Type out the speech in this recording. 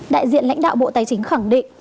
đại diện lãnh đạo bộ tài chính khẳng định